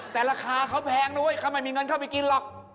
แต่ราคาเขาแพงเลยมีเงินเข้าไปกินหรอก